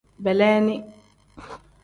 Beleeni.